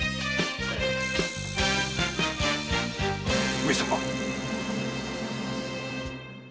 上様。